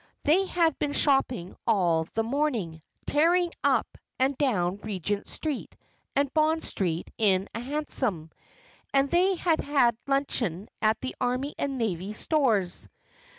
They had been shopping all the morning, tearing up and down Regent's Street and Bond Street in a hansom, and they had had luncheon at the Army and Navy Stores.